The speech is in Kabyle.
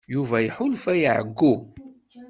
Yuba iḥulfa i ɛeyyu.